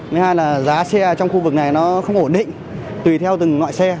thứ hai là giá xe trong khu vực này nó không ổn định tùy theo từng loại xe